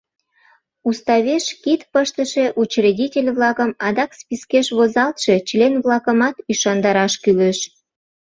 Уставеш кид пыштыше учредитель-влакым, адак спискеш возалтше член-влакымат ӱшандараш кӱлеш.